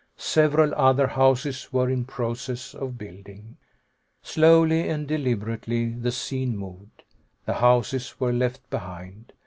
Several other houses were in process of building. Slowly and deliberately, the scene moved. The houses were left behind.